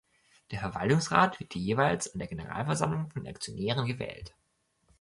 Der Verwaltungsrat wird jeweils an der Generalversammlung von den Aktionären gewählt.